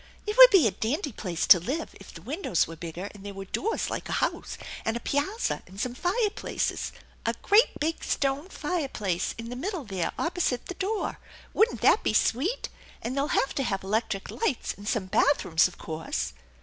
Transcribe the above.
It would be a dandy place to live if the windows were bigger and there were doors like a house, and a piazza, and some fireplaces. A great big stone fireplace in the middle there opposite that door! Wouldn't that be sweet? And they'll have to have electric lights and some bathrooms, of course."